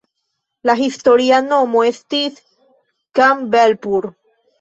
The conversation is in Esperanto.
La historia nomo estis "Campbellpur".